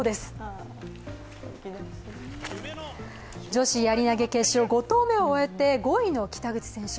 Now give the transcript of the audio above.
女子やり投決勝、５投目を終えて５位の北口選手。